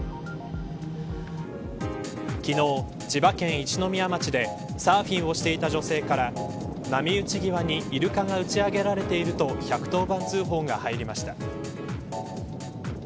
昨日、千葉県一宮町でサーフィンをしていた女性から波打ち際にイルカが打ち上げられていると１１０番通報が入りました。